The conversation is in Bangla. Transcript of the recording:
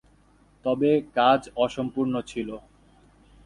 তবে কাজ অসম্পূর্ণ ছিল।